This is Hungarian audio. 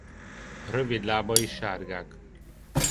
Rövid lábai sárgák.